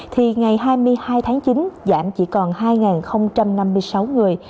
thì ngày hai mươi hai tháng chín giảm chỉ còn hai năm mươi sáu người